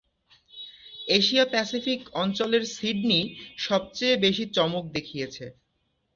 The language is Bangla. এশিয়া প্যাসিফিক অঞ্চলের সিডনি সবচেয়ে বেশি চমক দেখিয়েছে।